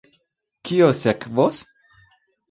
Kio sekvos?